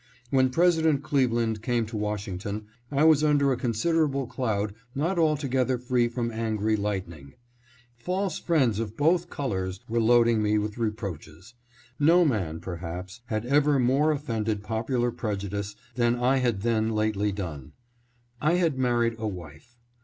When President Cleve land came to Washington, I was under a considerable cloud not altogether free from angry lightning. False friends of both colors were loading me with reproaches. No man, perhaps, had ever more offended popular preju dice than I had then lately done. I had married a wife.